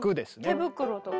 手袋とかね。